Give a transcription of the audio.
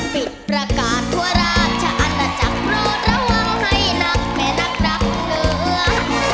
ปิดประกาศทั่วรากฉะอันตราจักรูระวังให้นักแหมนักรักเหลือ